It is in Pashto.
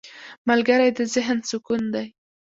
ملګری د ذهن سکون دی